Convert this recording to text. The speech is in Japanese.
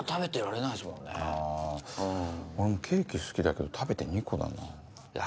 俺もケーキ好きだけど食べて２個だな。